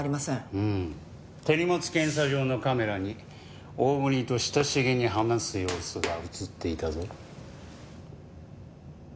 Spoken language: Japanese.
うん手荷物検査場のカメラに大國と親しげに話す様子が映っていたぞ。